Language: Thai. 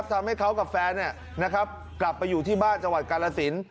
ทำให้เขากับแฟนกลับไปอยู่ที่บ้านจังหวัดกาลสิน